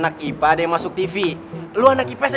oh prelimester samlah anak régimen kalian